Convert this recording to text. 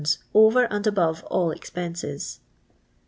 over and above all expenses.